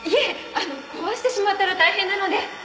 あの壊してしまったら大変なので。